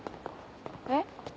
えっ？